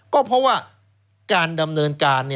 ก็เพราะว่าการดำเนินการ